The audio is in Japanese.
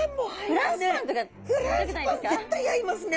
フランスパン絶対合いますね。